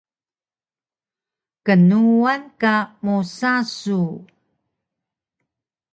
Knuwan ka musa su?